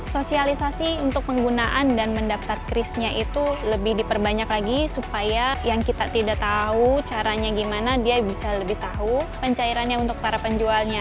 sosialisasi untuk penggunaan dan mendaftar crisnya itu lebih diperbanyak lagi supaya yang kita tidak tahu caranya gimana dia bisa lebih tahu pencairannya untuk para penjualnya